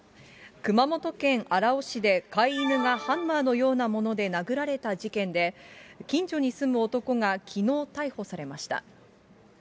熊本県荒尾市で、飼い犬がハンマーのようなもので殴られた事件で、近所に住む男が、きのう、逮捕されました。